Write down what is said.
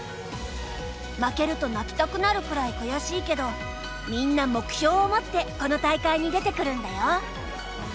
負けると泣きたくなるくらい悔しいけどみんな目標を持ってこの大会に出てくるんだよ。